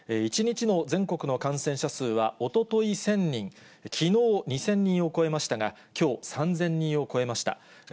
１日の全国の感染者数はおととい１０００人、きのう２０００人を超えましたが、きょう３０００人を超えました。